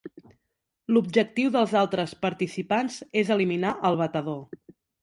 L'objectiu dels altres participants és eliminar el batedor.